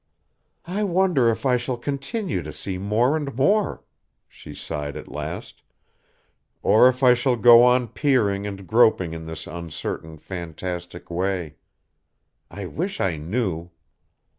"I wonder if I shall continue to see more and more?" she sighed at last, "or if I shall go on peering and groping in this uncertain, fantastic way. I wish I knew."